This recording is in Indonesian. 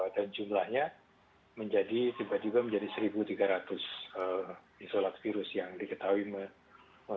dan jumlahnya menjadi tiba tiba menjadi seribu tiga ratus isolat virus yang diketahui menyebar